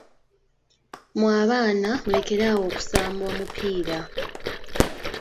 Mwe abaana mulekere awo okusamba omupiira.